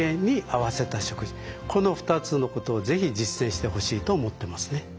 この２つのことを是非実践してほしいと思ってますね。